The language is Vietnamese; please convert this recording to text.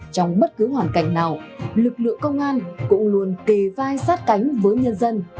trong bất cứ hoàn cảnh nào lực lượng công an cũng luôn kề vai sát cánh với nhân dân